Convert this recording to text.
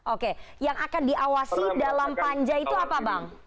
oke yang akan diawasi dalam panja itu apa bang